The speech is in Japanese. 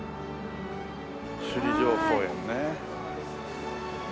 首里城公園ね。